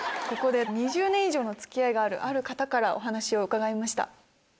２０年以上の付き合いがあるある方からお話を伺いました。